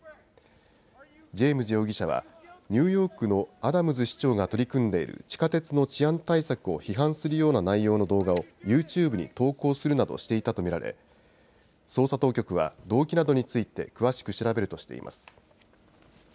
ジェームズ容疑者はニューヨークのアダムズ市長が取り組んでいる地下鉄の治安対策を批判するような内容の動画をユーチューブに投稿するなどしていたと見られ、捜査当局は動機などについて詳しく調べるとしています。